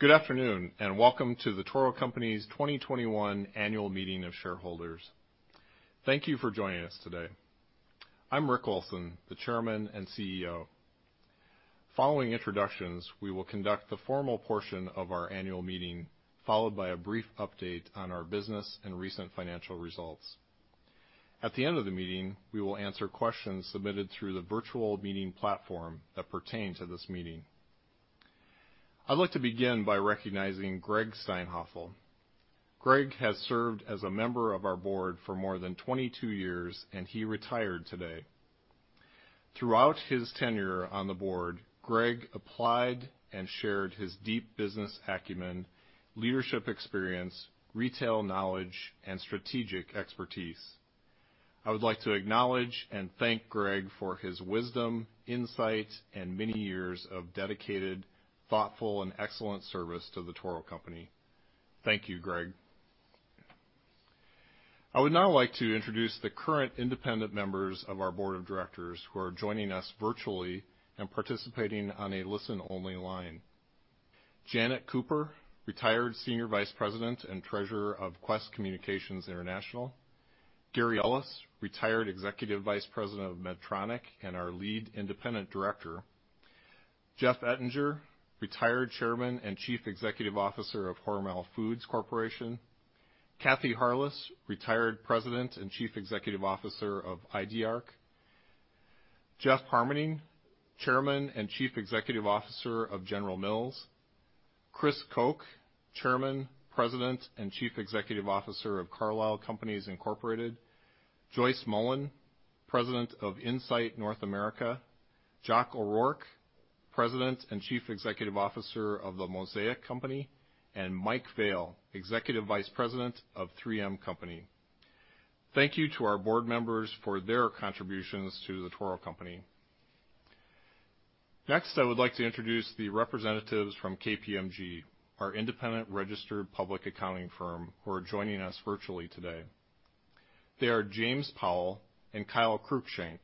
Good afternoon, and welcome to The Toro Company's 2021 annual meeting of shareholders. Thank you for joining us today. I'm Rick Olson, the Chairman and CEO. Following introductions, we will conduct the formal portion of our annual meeting, followed by a brief update on our business and recent financial results. At the end of the meeting, we will answer questions submitted through the virtual meeting platform that pertain to this meeting. I'd like to begin by recognizing Gregg Steinhafel. Gregg has served as a member of our board for more than 22 years, and he retired today. Throughout his tenure on the board, Gregg applied and shared his deep business acumen, leadership experience, retail knowledge, and strategic expertise. I would like to acknowledge and thank Gregg for his wisdom, insight, and many years of dedicated, thoughtful, and excellent service to The Toro Company. Thank you, Gregg. I would now like to introduce the current independent members of our Board of Directors who are joining us virtually and participating on a listen-only line. Janet Cooper, retired Senior Vice President and Treasurer of Qwest Communications International. Gary Ellis, retired Executive Vice President of Medtronic and our Lead Independent Director. Jeff Ettinger, retired Chairman and Chief Executive Officer of Hormel Foods Corporation. Kathy Harless, retired President and Chief Executive Officer of Idearc. Jeff Harmening, Chairman and Chief Executive Officer of General Mills. Chris Koch, Chairman, President, and Chief Executive Officer of Carlisle Companies Incorporated. Joyce Mullen, President of Insight North America. Joc O'Rourke, President and Chief Executive Officer of The Mosaic Company, and Mike Vale, Executive Vice President of 3M Company. Thank you to our board members for their contributions to The Toro Company. Next, I would like to introduce the representatives from KPMG, our independent registered public accounting firm who are joining us virtually today. They are James Powell and Kyle Cruikshank.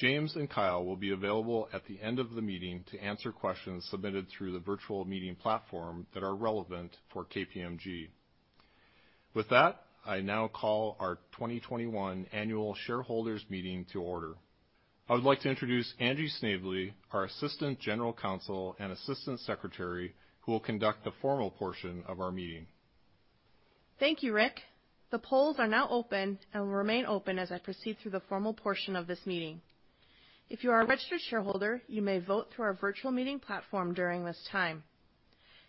James and Kyle will be available at the end of the meeting to answer questions submitted through the virtual meeting platform that are relevant for KPMG. With that, I now call our 2021 annual shareholders meeting to order. I would like to introduce Angie Snavely, our Assistant General Counsel and Assistant Secretary who will conduct the formal portion of our meeting. Thank you, Rick. The polls are now open and will remain open as I proceed through the formal portion of this meeting. If you are a registered shareholder, you may vote through our virtual meeting platform during this time.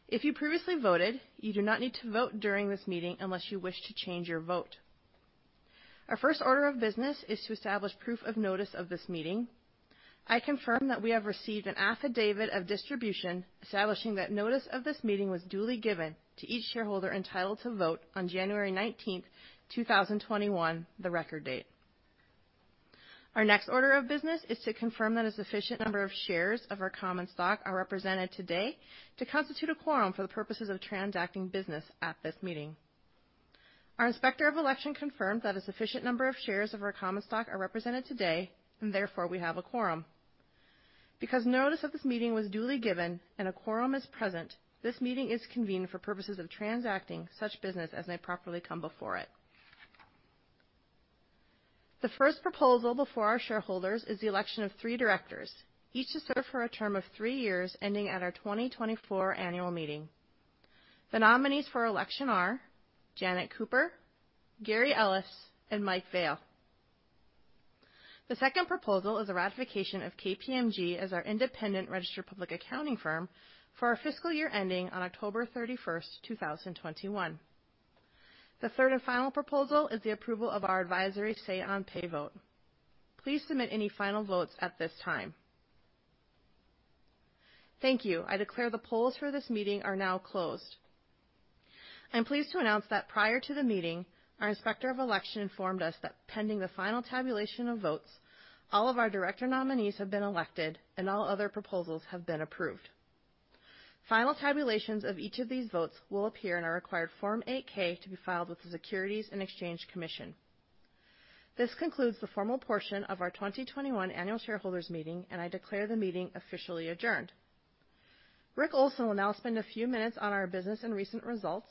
If you previously voted, you do not need to vote during this meeting unless you wish to change your vote. Our first order of business is to establish proof of notice of this meeting. I confirm that we have received an affidavit of distribution establishing that notice of this meeting was duly given to each shareholder entitled to vote on January 19th, 2021, the record date. Our next order of business is to confirm that a sufficient number of shares of our common stock are represented today to constitute a quorum for the purposes of transacting business at this meeting. Our Inspector of Election confirmed that a sufficient number of shares of our common stock are represented today, and therefore, we have a quorum. Because notice of this meeting was duly given and a quorum is present, this meeting is convened for purposes of transacting such business as may properly come before it. The first proposal before our shareholders is the election of three directors, each to serve for a term of three years ending at our 2024 annual meeting. The nominees for election are Janet Cooper, Gary Ellis, and Mike Vale. The second proposal is a ratification of KPMG as our independent registered public accounting firm for our fiscal year ending on October 31st, 2021. The third and final proposal is the approval of our advisory say-on-pay vote. Please submit any final votes at this time. Thank you. I declare the polls for this meeting are now closed. I'm pleased to announce that prior to the meeting, our Inspector of Election informed us that pending the final tabulation of votes, all of our director nominees have been elected, and all other proposals have been approved. Final tabulations of each of these votes will appear in our required Form 8-K to be filed with the Securities and Exchange Commission. This concludes the formal portion of our 2021 annual shareholders meeting. I declare the meeting officially adjourned. Rick Olson will now spend a few minutes on our business and recent results.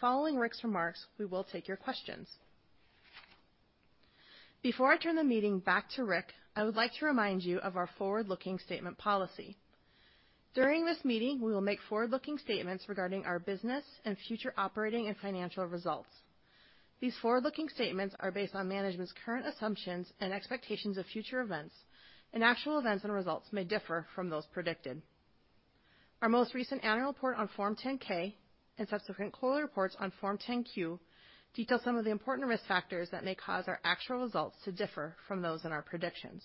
Following Rick's remarks, we will take your questions. Before I turn the meeting back to Rick, I would like to remind you of our forward-looking statement policy. During this meeting, we will make forward-looking statements regarding our business and future operating and financial results. These forward-looking statements are based on management's current assumptions and expectations of future events, and actual events and results may differ from those predicted. Our most recent annual report on Form 10-K and subsequent quarterly reports on Form 10-Q detail some of the important risk factors that may cause our actual results to differ from those in our predictions.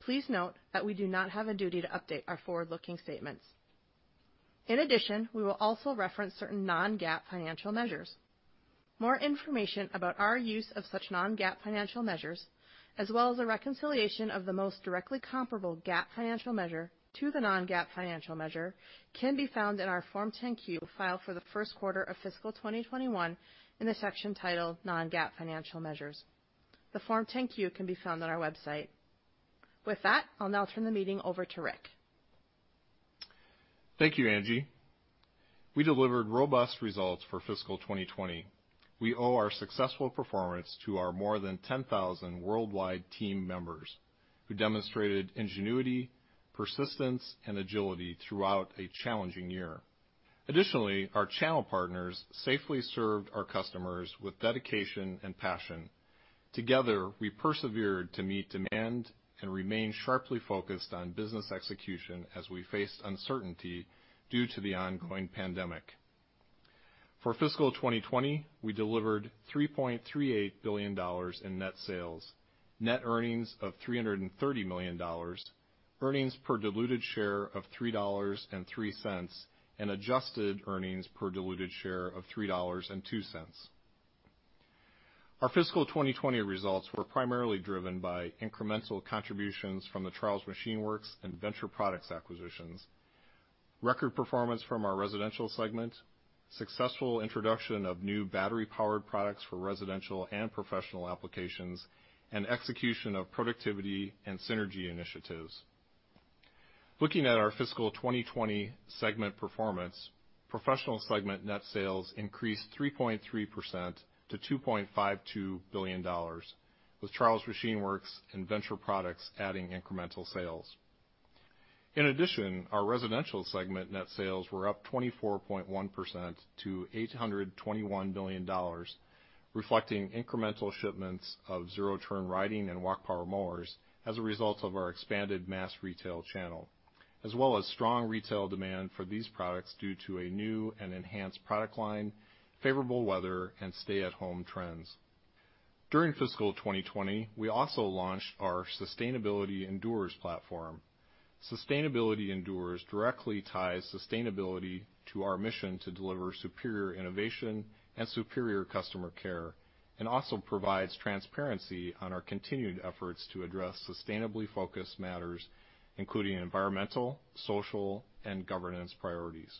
Please note that we do not have a duty to update our forward-looking statements. In addition, we will also reference certain non-GAAP financial measures. More information about our use of such non-GAAP financial measures, as well as a reconciliation of the most directly comparable GAAP financial measure to the non-GAAP financial measure, can be found in our Form 10-Q filed for the first quarter of fiscal 2021 in the section titled Non-GAAP Financial Measures. The Form 10-Q can be found on our website. With that, I'll now turn the meeting over to Rick. Thank you, Angie. We delivered robust results for fiscal 2020. We owe our successful performance to our more than 10,000 worldwide team members who demonstrated ingenuity, persistence, and agility throughout a challenging year. Additionally, our channel partners safely served our customers with dedication and passion. Together, we persevered to meet demand and remain sharply focused on business execution as we faced uncertainty due to the ongoing pandemic. For fiscal 2020, we delivered $3.38 billion in net sales, net earnings of $330 million, earnings per diluted share of $3.03, and adjusted earnings per diluted share of $3.02. Our fiscal 2020 results were primarily driven by incremental contributions from the Charles Machine Works and Venture Products acquisitions, record performance from our residential segment, successful introduction of new battery-powered products for residential and professional applications, and execution of productivity and synergy initiatives. Looking at our fiscal 2020 segment performance, Professional segment net sales increased 3.3% to $2.52 billion, with Charles Machine Works and Venture Products adding incremental sales. In addition, our Residential segment net sales were up 24.1% to $821 million, reflecting incremental shipments of zero-turn riding and Walk Power Mowers as a result of our expanded mass retail channel, as well as strong retail demand for these products due to a new and enhanced product line, favorable weather, and stay-at-home trends. During fiscal 2020, we also launched our Sustainability Endures platform. Sustainability Endures directly ties sustainability to our mission to deliver superior innovation and superior customer care and also provides transparency on our continued efforts to address sustainably focused matters, including environmental, social, and governance priorities.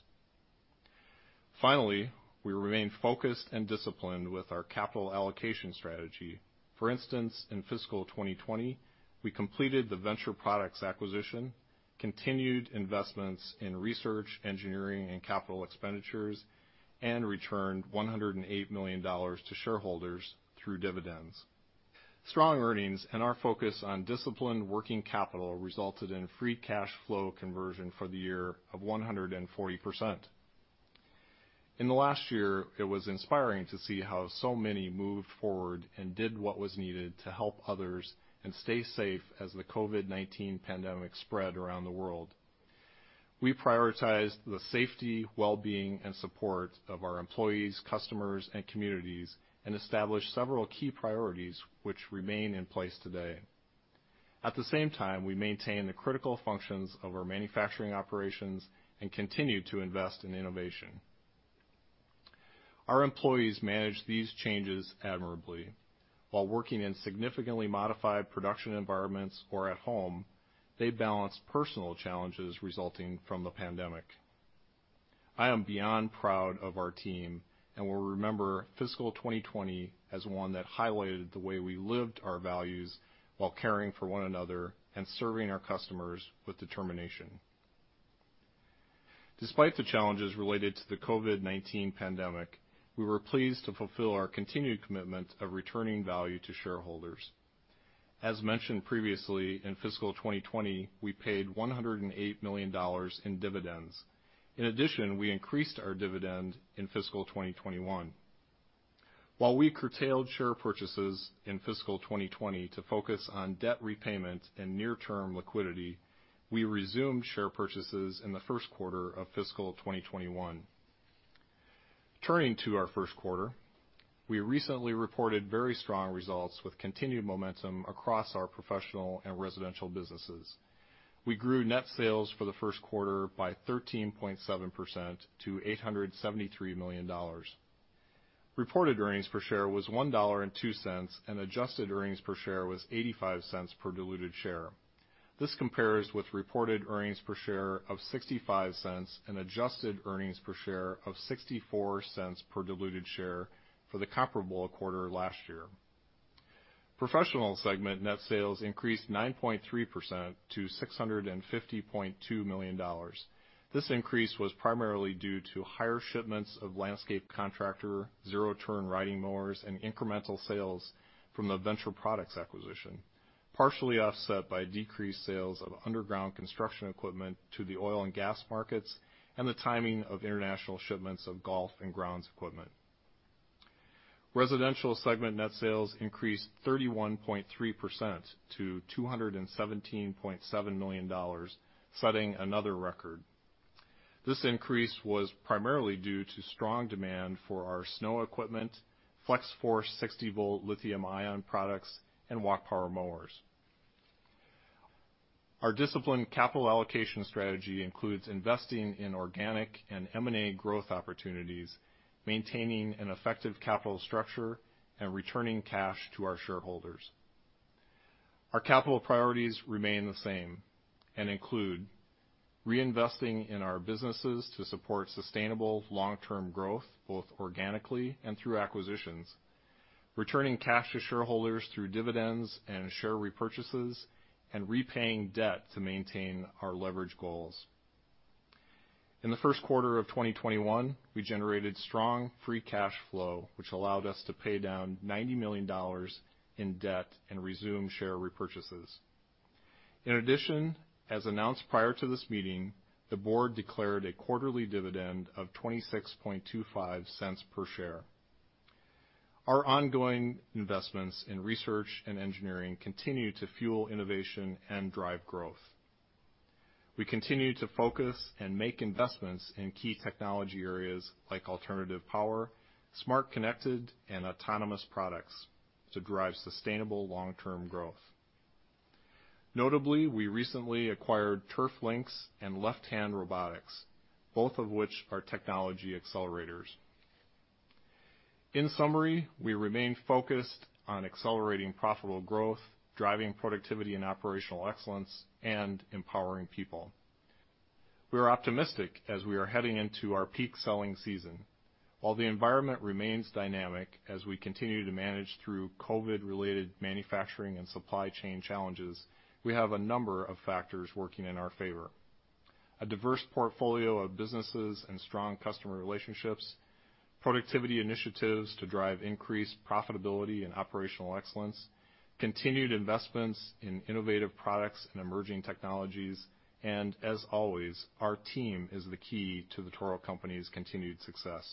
Finally, we remain focused and disciplined with our capital allocation strategy. For instance, in fiscal 2020, we completed the Venture Products acquisition, continued investments in research, engineering, and capital expenditures, and returned $108 million to shareholders through dividends. Strong earnings and our focus on disciplined working capital resulted in free cash flow conversion for the year of 140%. In the last year, it was inspiring to see how so many moved forward and did what was needed to help others and stay safe as the COVID-19 pandemic spread around the world. We prioritized the safety, well-being, and support of our employees, customers, and communities and established several key priorities which remain in place today. At the same time, we maintained the critical functions of our manufacturing operations and continued to invest in innovation. Our employees managed these changes admirably. While working in significantly modified production environments or at home, they balanced personal challenges resulting from the pandemic. I am beyond proud of our team and will remember fiscal 2020 as one that highlighted the way we lived our values while caring for one another and serving our customers with determination. Despite the challenges related to the COVID-19 pandemic, we were pleased to fulfill our continued commitment of returning value to shareholders. As mentioned previously, in fiscal 2020, we paid $108 million in dividends. In addition, we increased our dividend in fiscal 2021. While we curtailed share purchases in fiscal 2020 to focus on debt repayment and near-term liquidity, we resumed share purchases in the first quarter of fiscal 2021. Turning to our first quarter, we recently reported very strong results with continued momentum across our professional and residential businesses. We grew net sales for the first quarter by 13.7% to $873 million. Reported earnings per share was $1.02, and adjusted earnings per share was $0.85 per diluted share. This compares with reported earnings per share of $0.65 and adjusted earnings per share of $0.64 per diluted share for the comparable quarter last year. Professional segment net sales increased 9.3% to $650.2 million. This increase was primarily due to higher shipments of landscape contractor, zero-turn riding mowers, and incremental sales from the Venture Products acquisition, partially offset by decreased sales of underground construction equipment to the oil and gas markets, and the timing of international shipments of golf and grounds equipment. Residential segment net sales increased 31.3% to $217.7 million, setting another record. This increase was primarily due to strong demand for our snow equipment, Flex-Force 60-volt lithium-ion products, and Walk Power Mowers. Our disciplined capital allocation strategy includes investing in organic and M&A growth opportunities, maintaining an effective capital structure, and returning cash to our shareholders. Our capital priorities remain the same and include reinvesting in our businesses to support sustainable long-term growth, both organically and through acquisitions, returning cash to shareholders through dividends and share repurchases, and repaying debt to maintain our leverage goals. In the first quarter of 2021, we generated strong free cash flow, which allowed us to pay down $90 million in debt and resume share repurchases. In addition, as announced prior to this meeting, the board declared a quarterly dividend of $0.2625 per share. Our ongoing investments in research and engineering continue to fuel innovation and drive growth. We continue to focus and make investments in key technology areas like alternative power, smart, connected, and autonomous products to drive sustainable long-term growth. Notably, we recently acquired TurfLynx and Left Hand Robotics, both of which are technology accelerators. In summary, we remain focused on accelerating profitable growth, driving productivity and operational excellence, and empowering people. We are optimistic as we are heading into our peak selling season. While the environment remains dynamic as we continue to manage through COVID-related manufacturing and supply chain challenges, we have a number of factors working in our favor. A diverse portfolio of businesses and strong customer relationships, productivity initiatives to drive increased profitability and operational excellence, continued investments in innovative products and emerging technologies, and as always, our team is the key to The Toro Company's continued success.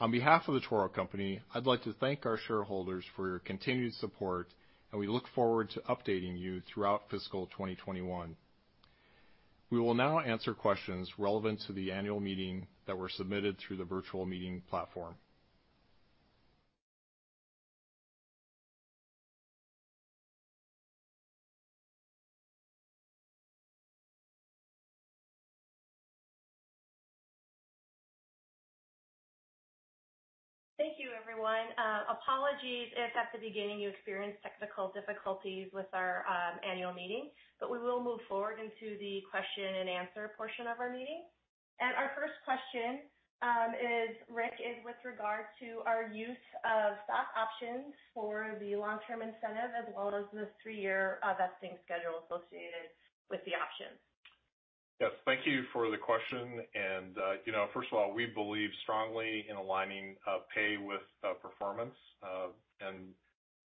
On behalf of The Toro Company, I'd like to thank our shareholders for your continued support, and we look forward to updating you throughout fiscal 2021. We will now answer questions relevant to the annual meeting that were submitted through the virtual meeting platform. Thank you, everyone. Apologies if at the beginning you experienced technical difficulties with our annual meeting, but we will move forward into the question and answer portion of our meeting. Our first question, Rick, is with regard to our use of stock options for the long-term incentive, as well as the three-year vesting schedule associated with the options. Yes, thank you for the question. First of all, we believe strongly in aligning pay with performance, and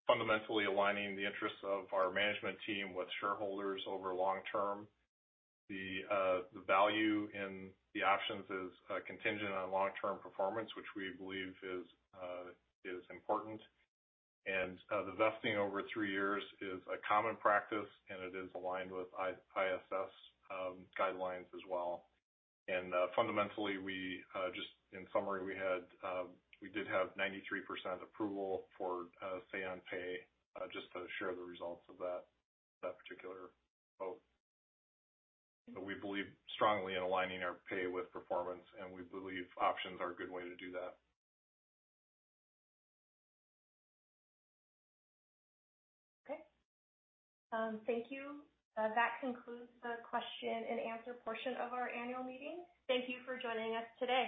fundamentally aligning the interests of our management team with shareholders over long term. The value in the options is contingent on long-term performance, which we believe is important. The vesting over three years is a common practice, and it is aligned with ISS guidelines as well. Fundamentally, just in summary, we did have 93% approval for say-on-pay, just to share the results of that particular vote. We believe strongly in aligning our pay with performance, and we believe options are a good way to do that. Thank you. That concludes the question and answer portion of our annual meeting. Thank you for joining us today.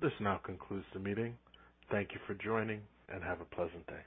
This now concludes the meeting. Thank you for joining, and have a pleasant day.